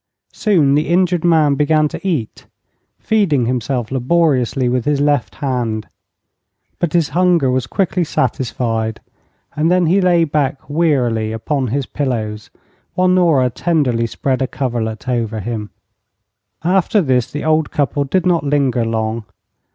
Soon the injured man began to eat, feeding himself laboriously with his left hand. But his hunger was quickly satisfied, and then he lay back wearily upon his pillows, while Nora tenderly spread a coverlet over him. After this the old couple did not linger long.